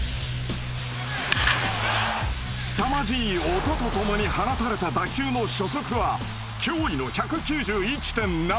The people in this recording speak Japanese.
すさまじい音とともに放たれた打球の初速は驚異の１９１．７キロ。